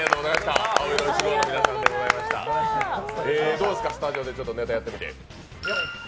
どうですか、スタジオでネタやってみて。